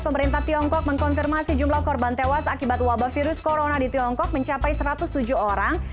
pemerintah tiongkok mengkonfirmasi jumlah korban tewas akibat wabah virus corona di tiongkok mencapai satu ratus tujuh orang